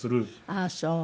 あっそう。